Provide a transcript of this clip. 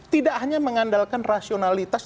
tidak hanya mengandalkan rasionalitas